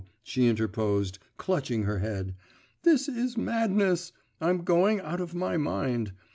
she interposed, clutching her head. 'This is madness I'm going out of my mind.